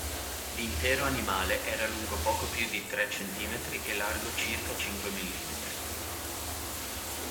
L'intero animale era lungo poco più di tre centimetri e largo circa cinque millimetri.